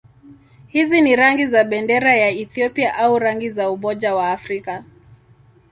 Hizi ni rangi za bendera ya Ethiopia au rangi za Umoja wa Afrika.